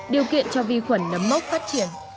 điều kiện cho vi khuẩn nấm mốc phát triển